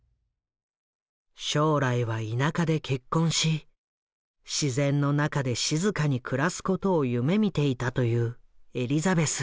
将来は田舎で結婚し自然の中で静かに暮らすことを夢みていたというエリザベス。